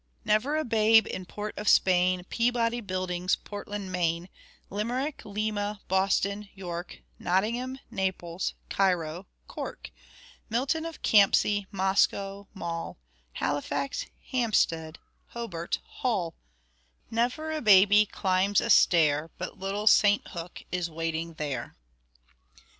Never a babe in Port of Spain, Peabody Buildings, Portland Maine, Limerick, Lima, Boston, York, Nottingham, Naples, Cairo, Cork, Milton of Campsie, Moscow, Mull, Halifax, Hampstead, Hobart, Hull, Never a baby climbs a stair But little St Hook is waiting there.